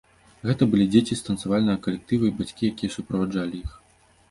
Гэта былі дзеці з танцавальнага калектыва і бацькі, якія суправаджалі іх.